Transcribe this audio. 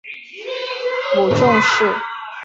母仲氏。